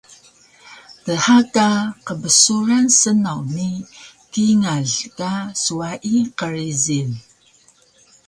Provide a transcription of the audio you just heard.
Dha ka qbsuran snaw ni kingal ka swayi qrijil